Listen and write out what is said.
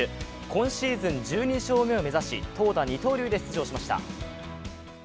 今シーズン１２勝目を目指し投打二刀流で出場しました。